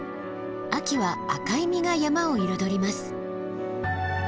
秋は赤い実が山を彩ります。